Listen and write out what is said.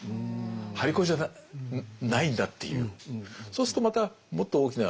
張り子じゃないんだっていう。